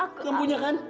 kamu punya kan